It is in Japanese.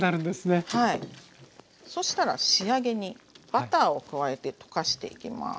そしたら仕上げにバターを加えて溶かしていきます。